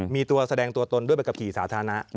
มีตัวแสดงตัวตนด้วยใบขับขี่สาธารณะ